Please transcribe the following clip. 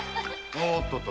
おっとっと。